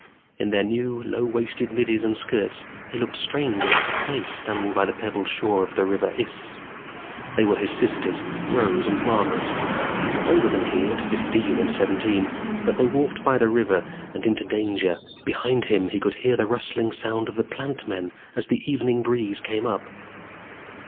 In their new, low waisted middies and skirts, they looked strange and out of place standing by the pebbled shore of the River Iss. They were his sisters, Rose and Margaret. Older than he at fifteen and seventeen. But they walked by the river and into danger. Behind him he could hear the rustling sound of the Plant Men as the evening breeze came up.